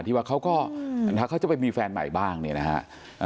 ที่ว่าเขาก็ถ้าเขาจะไปมีแฟนใหม่บ้างเนี่ยนะฮะ